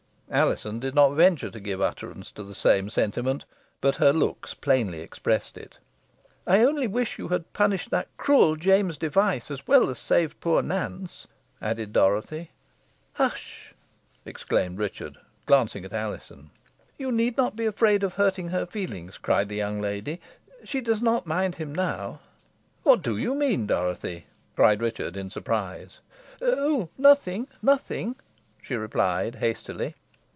Alizon did not venture to give utterance to the same sentiment, but her looks plainly expressed it. "I only wish you had punished that cruel James Device, as well as saved poor Nance," added Dorothy. "Hush!" exclaimed Richard, glancing at Alizon. "You need not be afraid of hurting her feelings," cried the young lady. "She does not mind him now." "What do you mean, Dorothy?" cried Richard, in surprise. "Oh, nothing nothing," she replied, hastily.